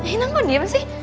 inang kok diem sih